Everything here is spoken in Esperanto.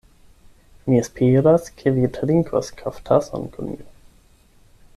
Mi esperas, ke vi trinkos kaftason kun ni.